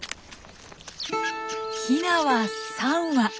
ヒナは３羽。